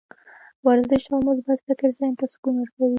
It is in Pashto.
ورزش او مثبت فکر ذهن ته سکون ورکوي.